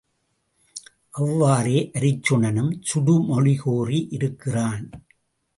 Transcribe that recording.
அவ்வாறே அருச்சுனனும் சுடுமொழி கூறி இருக்கிறான்.